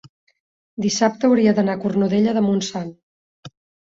dissabte hauria d'anar a Cornudella de Montsant.